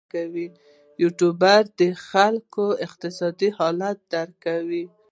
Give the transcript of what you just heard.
یوټوبر دې د خلکو اقتصادي حالت درک کړي.